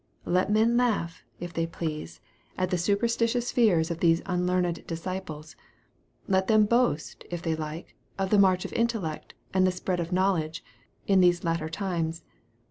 Let men laugh, if they 132 EXPOSITORY THOUGHTS. please, at the superstitious fears of these unlearned dis ciples. Let them boast, if they like, of the march of intellect, and the spread of knowledge, in these latter times.